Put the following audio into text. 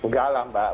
gak alam mbak